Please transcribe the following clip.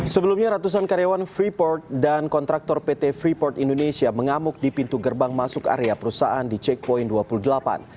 sebelumnya ratusan karyawan freeport dan kontraktor pt freeport indonesia mengamuk di pintu gerbang masuk area perusahaan di checkpoint dua puluh delapan